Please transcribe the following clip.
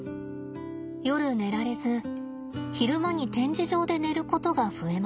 夜寝られず昼間に展示場で寝ることが増えました。